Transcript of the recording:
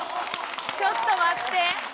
「ちょっと待って！」